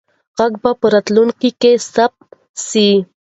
غږ به په راتلونکي کې ثبت سي.